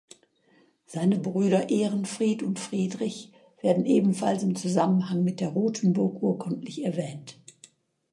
Seine Brüder Ehrenfried und Friedrich werden ebenfalls im Zusammenhang mit der Rothenburg urkundlich erwähnt.